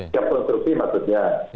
siap konstruksi maksudnya